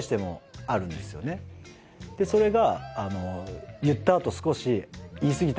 それが。